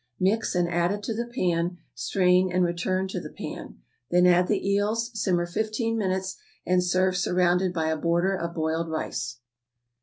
Mix, and add it to the pan, strain, and return to the pan; then add the eels; simmer fifteen minutes, and serve surrounded by a border of boiled rice.